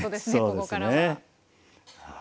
ここからは。